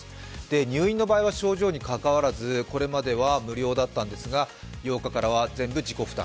入院の場合は症状にかかわらずこれまでは無料だったんですが８日からは全部自己負担。